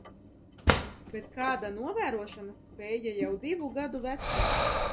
Bet kāda novērošanas spēja jau divu gadu vecumā!